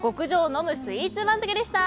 飲むスイーツ番付でした。